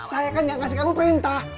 saya kan yang kasih kamu perintah